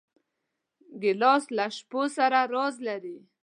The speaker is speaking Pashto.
ګیلاس له شپو سره راز لري.